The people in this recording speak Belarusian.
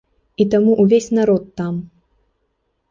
І таму ўвесь народ там!